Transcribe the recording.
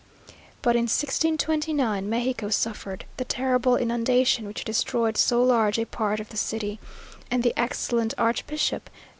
But in 1629 Mexico suffered the terrible inundation which destroyed so large a part of the city, and the excellent archbishop, D.